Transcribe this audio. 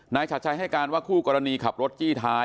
ฉัดชัยให้การว่าคู่กรณีขับรถจี้ท้าย